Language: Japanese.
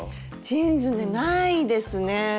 ジーンズねないですね。